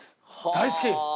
大好き？